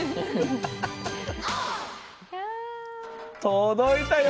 届いたよ